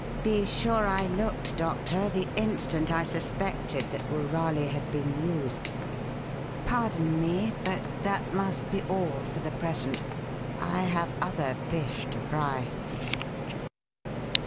Be sure I looked, Doctor, the instant I suspected that woorali had been used. Pardon me, but that must be all for the present. I have other fish to fry."